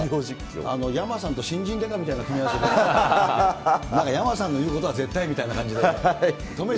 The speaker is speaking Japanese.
やまさんと新人デカみたいな組み合わせで、なんかやまさんのいうことは絶対みたいな感じになってる。